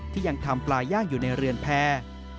ที่ยังทำปลาย่างอยู่ในเรือนแพร่